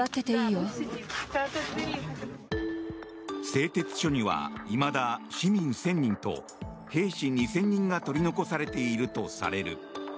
製鉄所にはいまだ市民１０００人と兵士２０００人が取り残されているとされる。